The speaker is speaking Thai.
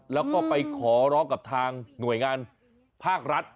แล้วก็ไปขอร้องกับทางหน่วยงานภาครัฐ